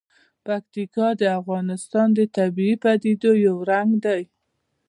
پکتیکا د افغانستان د طبیعي پدیدو یو رنګ دی.